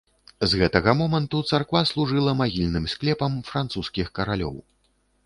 З гэтага моманту царква служыла магільным склепам французскіх каралёў.